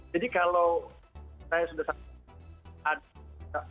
jadi kalau saya sudah sampai